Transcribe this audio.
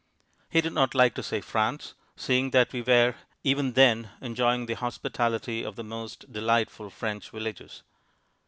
He did not like to say "France," seeing that we were even then enjoying the hospitality of the most delightful French villages.